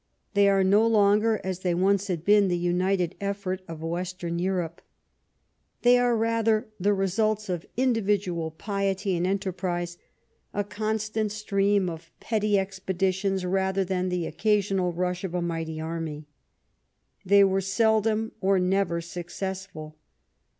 They are no longer, as they once had been, the united effort of Western Europe. They are rather the results of individual piety and enterprise, a constant stream of petty expeditions rather than the occasional rush of a mighty army. They were seldom or never successful.